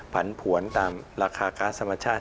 ผันผวนตามราคาก๊าซธรรมชาติ